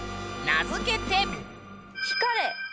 名付けて。